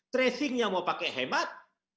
tracingnya mau pakai hemat